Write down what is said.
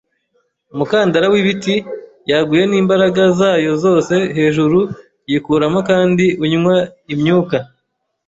umukandara w'ibiti, yaguye n'imbaraga zayo zose hejuru yikuramo kandi unywa imyuka